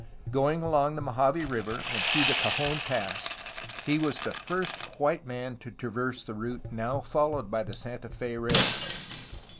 Going along the Mojave River and through Cajon Pass, he was the first white man to traverse the route now followed by the Santa Fe Railroad.